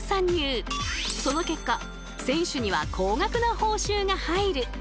その結果選手には高額な報酬が入る。